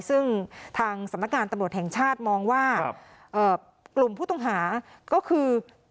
ซึ่งทางสำนักงานตำรวจแห่งชาติมองว่ากลุ่มผู้ต้องหาก็คือ